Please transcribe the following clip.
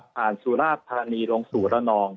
ผ่านสุราชภารีลงสู่ระนอง